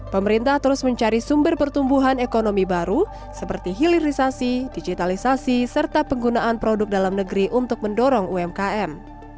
pemerintah terus mencari sumber pertumbuhan ekonomi baru seperti hilirisasi digitalisasi serta penggunaan produk dalam negeri untuk mendorong umkm